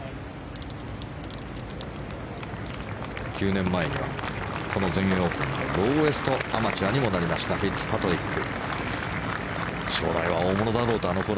９年前にはこの全英オープンローエストアマチュアになりましたフィッツパトリック。